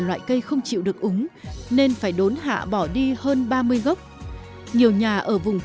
ngay khi nước lũ đã rút